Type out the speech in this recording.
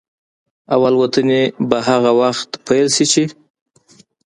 او الوتنې به هغه وخت پيل شي چې